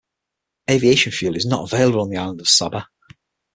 Aviation fuel is not available on the island of Saba.